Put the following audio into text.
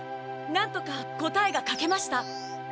なんとか答えが書けました！